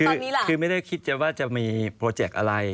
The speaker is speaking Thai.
แล้วตอนนี้ล่ะคือไม่ได้คิดว่าจะมีโปรเจ็คอะไร